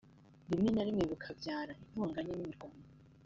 rimwe na rimwe bukabyara intonganya n’imirwano